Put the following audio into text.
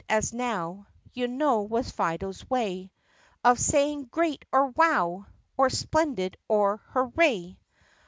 as now You know, was Fido's way Of saying "Great!" or "Wow!" Or "Splendid!" or "Hooray!")